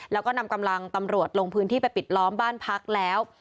แล้วก็นำกำลังตำรวจลงพื้นที่ไปปิดล้อมบ้านพักแล้ว